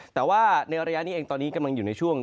แต่ว่าในระยะนี้เองตอนนี้กำลังอยู่ในช่วง